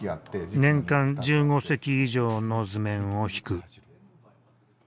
年間１５隻以上の図面をひく。